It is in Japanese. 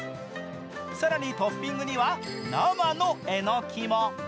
更にトッピングには生のえのきも。